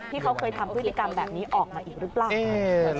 ที่เขาเคยทำพฤติกรรมแบบนี้ออกมาอีกหรือเปล่า